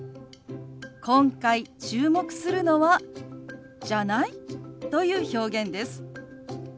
今回注目するのは「じゃない？」という表現です。